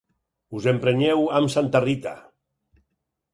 Us emprenyeu amb santa Rita.